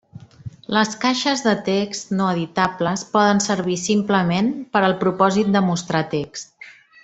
Les caixes de text no editables poden servir, simplement, per al propòsit de mostrar text.